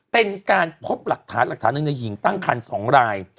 เป็นการพบหลักฐานหลักฐานหนึ่งในหญิงตั้งคัน๒ราย